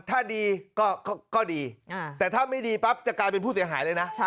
ถ้าดีก็ดีแต่ถ้าไม่ดีปั๊บจะกลายเป็นผู้เสียหายเลยนะ